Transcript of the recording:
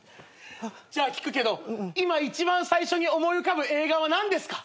じゃあ聞くけど今一番最初に思い浮かぶ映画は何ですか？